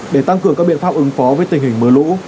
để tăng cường các biện pháp ứng phó với tình hình mưa lũ